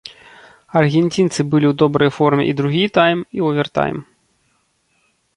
Аргенцінцы былі ў добрай форме і другі тайм, і овертайм.